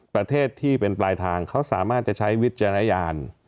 ประเทศที่เป็นปลายทางเขาสามารถจะใช้วิจารณญาณ